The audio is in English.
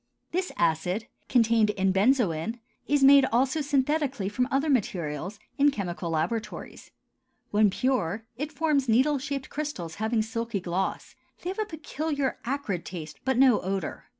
This acid, contained in benzoin, is made also synthetically from other materials, in chemical laboratories. When pure it forms needle shaped crystals having a silky gloss; they have a peculiar acrid taste, but no odor.